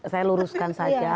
saya luruskan saja